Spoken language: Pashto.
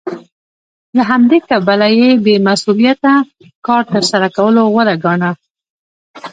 له همدې کبله یې بې مسوولیته کار تر سره کولو غوره ګاڼه